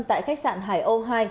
tại khách sạn hải âu hai